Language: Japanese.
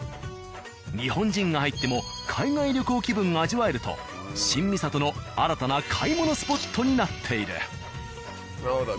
日本人が入っても海外旅行気分が味わえると新三郷の新たな買い物スポットになっている。